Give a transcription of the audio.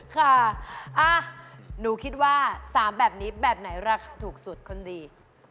ค่ะหนูคิดว่า๓แบบนี้แบบไหนราคาถูกสุดคนดี